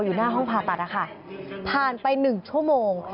อยู่หน้าห้องผ่าตัดผ่านไปหนึ่งชั่วโมง